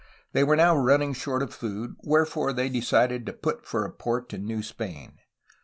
They were now running short of food, wherefore they decided to put for a port in New Spain.